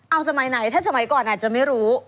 เอาสมัยไหนถ้าสมัยก่อนอาจจะไม่รู้